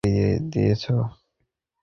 তুমি উনাদের এফআইআর-এর কপি দিয়েছ?